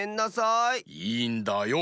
いいんだよ。